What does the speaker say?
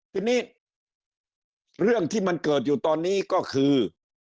ทีนี้เรื่องที่มันเกิดอยู่ตอนนี้ก็คือ